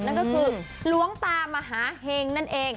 นั่นก็คือหลวงตามหาเห็งนั่นเอง